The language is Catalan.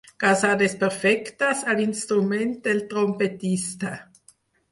Causar desperfectes a l'instrument del trompetista.